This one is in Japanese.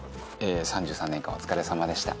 ３３年間お疲れさまでした。